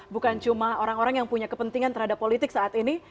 bukan cuma orang orang yang punya kepentingan terhadap politik saat ini